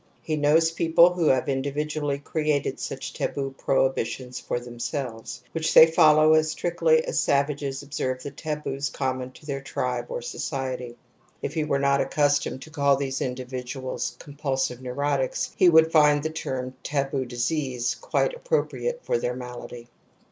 He knowsmeople who have individually created such taboo prohibi tions for themselves, which they follow as strictly as savages obseKre the taboos common to their tribe or society. 1 If he were not accus tomed to call these individuals ^^cgmpijlsion neurotics '\he would find the term \taboo disease ' )quite appropriate for their malady.